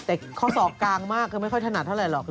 แต่ข้อศอกกลางมากก็ไม่ค่อยถนัดเท่าไหรหรอก